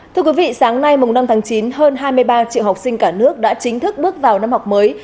thưa quý vị sáng nay mùng năm tháng chín hơn hai mươi ba triệu học sinh cả nước đã chính thức bước vào năm học mới